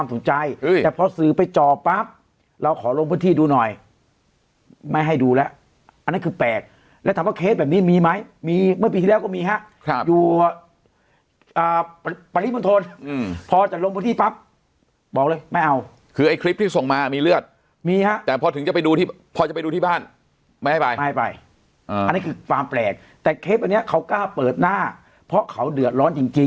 เราขอลงพื้นที่ดูหน่อยไม่ให้ดูแล้วอันนั้นคือแปลกแล้วถามว่าเคสแบบนี้มีไหมมีเมื่อปีที่แล้วก็มีฮะอยู่ปริมณฑลพอจะลงพื้นที่ปั๊บบอกเลยไม่เอาคือไอ้คลิปที่ส่งมามีเลือดมีฮะแต่พอถึงจะไปดูที่พอจะไปดูที่บ้านไม่ให้ไปไม่ให้ไปอันนี้คือความแปลกแต่เคสอันนี้เขากล้าเปิดหน้าเพราะเขาเดือดร้อนจริงจริง